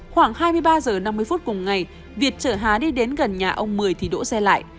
khoảng hai mươi ba h năm mươi cùng ngày việt chở hà đi đến gần nhà ông một mươi thì đỗ xe lại